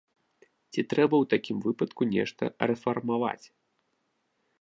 Ці трэба ў такім выпадку нешта рэфармаваць?